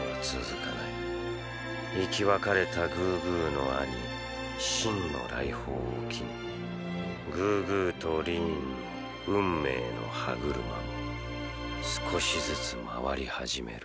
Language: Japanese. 生き別れたグーグーの兄シンの来訪を機にグーグーとリーンの運命の歯車も少しずつ回り始める